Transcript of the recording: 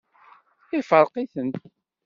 Ifṛeq-iten.